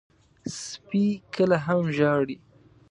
سپي کله هم ژاړي.